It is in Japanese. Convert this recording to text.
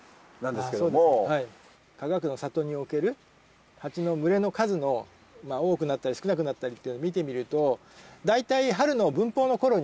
かがくの里におけるハチの群れの数の多くなったり少なくなったりっていうのを見てみると大体。